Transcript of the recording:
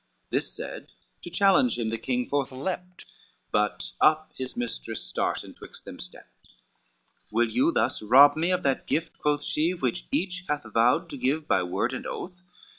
This said, to challenge him the king forth leapt, But up their mistress start, and twixt them stepped: LXXIV "Will you thus rob me of that gift," quoth she, "Which each hath vowed to give by word and oath?